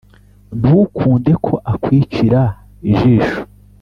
Ntukunde ko akwicira ijisho